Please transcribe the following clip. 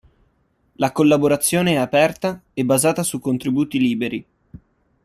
La collaborazione è aperta e basata su contributi liberi.